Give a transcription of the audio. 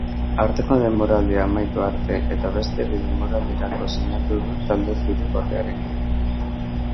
Aurtengo denboraldia amaitu arte eta beste bi denboraldirako sinatu du talde zuri-gorriarekin.